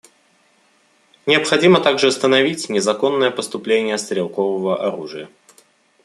Необходимо также остановить незаконное поступление стрелкового оружия.